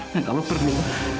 nah kala perlu